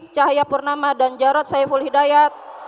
cahayapurnama dan jarod saiful hidayat